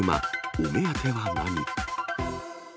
お目当ては何？